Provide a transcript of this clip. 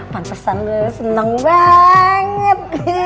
pantesan lu seneng banget